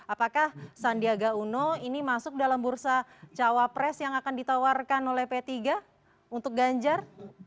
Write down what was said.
apakah sandiaga uno ini masuk dalam bursa cawapres yang akan ditawarkan oleh p tiga untuk ganjar